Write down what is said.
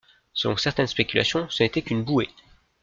Selon certaines spéculations ce n'était qu'une bouée.